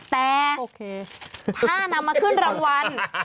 แต่ถ้านำมาขึ้นรางวัล